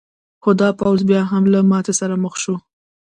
خو دا پوځ بیا هم له ماتې سره مخ شو.